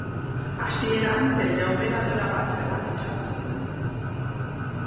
Hasieran teleoperadora bat zela pentsatu zuen.